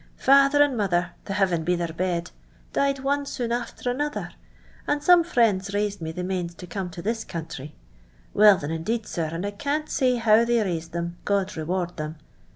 Father and mother— the Heavens be their bed — died one soon after another, and some friends raised me the manes to come to this country. Well, thin, indeed, sir, and I can't say how they raised them, God reward them.